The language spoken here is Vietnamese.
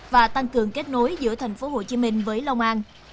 và tăng cường kết nối giữa thành phố hồ chí minh với long an